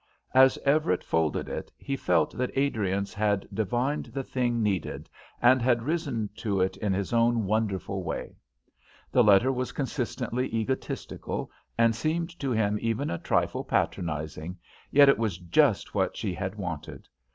As Everett folded it he felt that Adriance had divined the thing needed and had risen to it in his own wonderful way. The letter was consistently egotistical, and seemed to him even a trifle patronizing, yet it was just what she had wanted.